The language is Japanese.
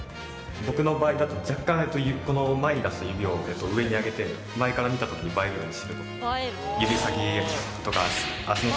僕の場合だと、若干この前に出した指を上に上げて前から見た時に映えるように。